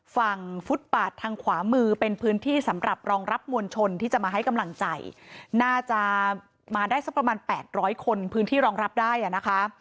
ฟุตปาดทางขวามือเป็นพื้นที่สำหรับรองรับมวลชนที่จะมาให้กำลังใจน่าจะมาได้สักประมาณแปดร้อยคนพื้นที่รองรับได้อ่ะนะคะ